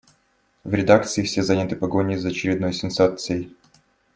В редакции все заняты погоней за очередной сенсацией.